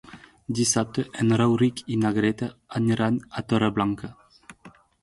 Dissabte en Rauric i na Greta aniran a Torreblanca.